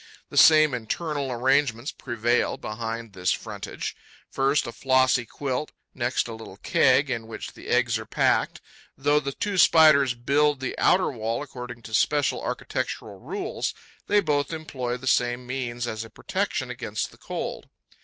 The same internal arrangements prevail behind this frontage: first, a flossy quilt; next, a little keg in which the eggs are packed. Though the two Spiders build the outer wall according to special architectural rules, they both employ the same means as a protection against the cold.